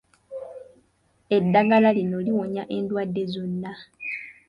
Eddagala lino liwonya endwadde zonna.